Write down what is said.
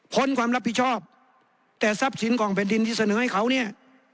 ความรับผิดชอบแต่ทรัพย์สินของแผ่นดินที่เสนอให้เขาเนี่ย